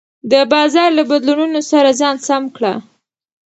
د بازار له بدلونونو سره ځان سم کړه.